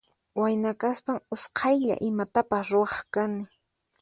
Wayna kaspan usqaylla imatapas ruwaq kani.